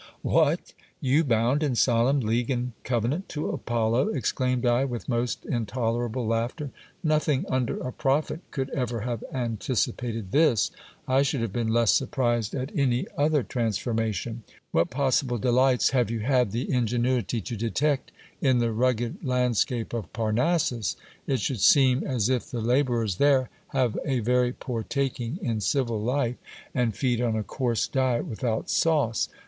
What ! you bound in solemn league and covenant to Apollo ? exclaimed I with most intolerable laughter. Nothing under a prophet could ever have an ticipated this. I should have been less surprised at any other transformation. What possible delights have you had the ingenuity to detect in the rugged land scape of Parnassus ? \j£ should seem as if the labourers there have a very poor taking in civil life, and feed on a coarse diet without sauce.